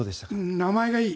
名前がいい。